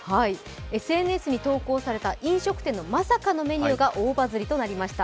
ＳＮＳに投稿された飲食店のまさかのメニューが大バズりとなりました。